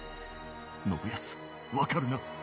信康わかるな？